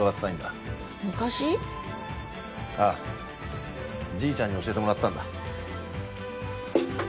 ああじいちゃんに教えてもらったんだ。